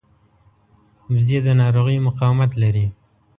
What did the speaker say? وزې د ناروغیو مقاومت لري